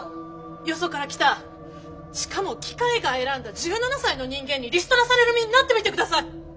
よそから来たしかも機械が選んだ１７才の人間にリストラされる身になってみてください！